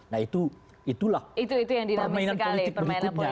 nah itulah permainan politik berikutnya